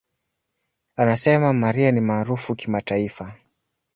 Anasema, "Mariah ni maarufu kimataifa.